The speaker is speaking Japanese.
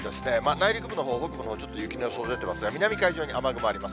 内陸部のほう、北部のほう、ちょっと雪の予想出てますが、南海上に雨雲あります。